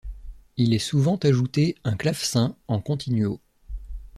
Il est souvent ajouté un clavecin en continuo.